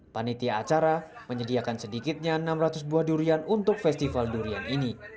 panitia acara menyediakan sedikitnya enam ratus buah durian untuk festival durian ini